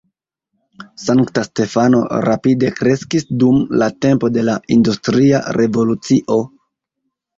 Sankta Stefano rapide kreskis dum la tempo de la industria revolucio.